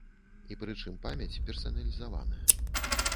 І прычым памяць персаналізаваная.